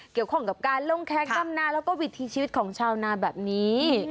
เกี่ยวของกับการลงแครงฯอ้ำนะและวิธีชีวิตของชาวนาแบบนี้